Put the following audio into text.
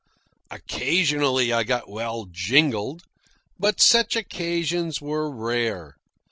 Occasionally I got well jingled, but such occasions were rare.